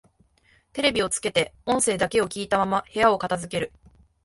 テレビをつけて音声だけを聞いたまま部屋を片づける